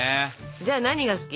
じゃあ何が好き？